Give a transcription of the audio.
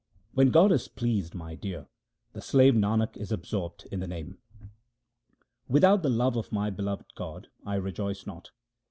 When God is pleased, my dear, the slave Nanak is ab sorbed in the Name. Without the love of my beloved God, I rejoice not.